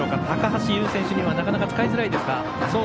高橋友選手にはなかなか使いづらいですか？